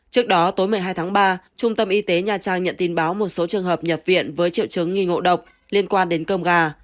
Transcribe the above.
trước đó tối một mươi hai tháng ba trung tâm y tế nha trang nhận tin báo một số trường hợp nhập viện với triệu chứng nghi ngộ độc liên quan đến cơm gà